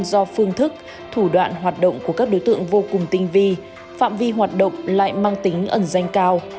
do phương thức thủ đoạn hoạt động của các đối tượng vô cùng tinh vi phạm vi hoạt động lại mang tính ẩn danh cao